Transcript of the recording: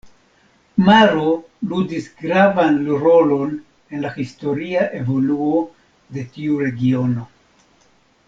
Maro ludis gravan rolon en la historia evoluo de tiu regiono.